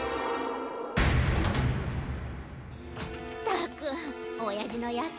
ったくおやじのヤツ。